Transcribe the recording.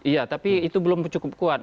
iya tapi itu belum cukup kuat